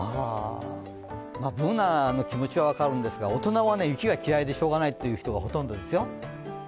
Ｂｏｏｎａの気持ちは分かるんですが、大人は雪が嫌いでしようがないという人がほとんどですよ。